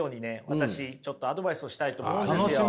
私ちょっとアドバイスをしたいと思うんですよ。